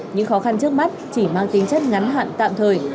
những khó khăn trước mắt chỉ mang tính chất ngắn hạn tạm thời